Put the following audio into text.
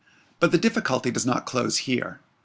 But the difficulty does not close here.